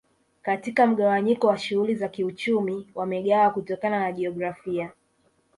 Katika mgawanyiko wa shughuli za kiuchumi wamegawa kutokana na jiografia